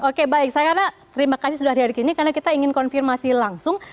oke baik saya terima kasih sudah hadir hari ini karena kita ingin konfirmasi langsung